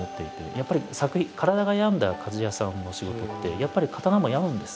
やっぱり体が病んだ鍛冶屋さんの仕事ってやっぱり刀も病むんです。